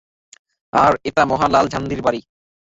আর এটা মহান লাল পান্ডার বাড়ি।